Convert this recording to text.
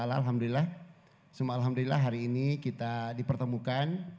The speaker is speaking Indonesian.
alhamdulillah semua alhamdulillah hari ini kita dipertemukan